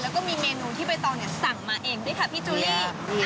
แล้วก็มีเมนูที่ใบตองสั่งมาเองด้วยค่ะพี่จูลี่